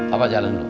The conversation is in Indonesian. apa jalan dulu